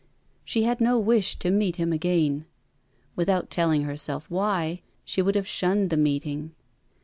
She had no wish to meet him again. Without telling herself why, she would have shunned the meeting.